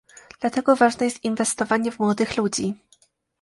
Dlatego ważne jest inwestowanie w młodych ludzi